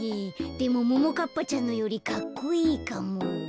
でもももかっぱちゃんのよりかっこいいかも。